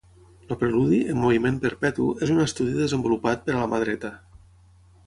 El preludi, en moviment perpetu, és un estudi desenvolupat per a la mà dreta.